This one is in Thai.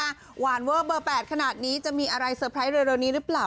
หวานเวอร์เบอร์๘ขนาดนี้จะมีอะไรเซอร์ไพรส์เร็วนี้หรือเปล่า